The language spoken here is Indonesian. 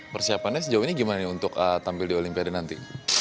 persiapannya sejauh ini gimana untuk tampil di olimpiade nanti